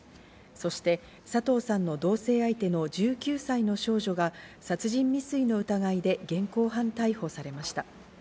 そして佐藤さんの同棲相手の１９歳の少女が殺人未遂の疑いで現行犯逮捕されました。